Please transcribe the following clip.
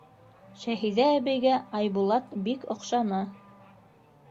Шәһиҙә әбейгә Айбулат бик оҡшаны.